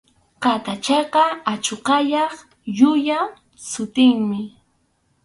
Qataychaqa achuqallap llulla sutinmi.